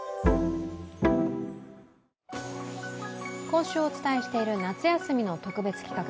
今週お伝えしている夏休みの特別企画。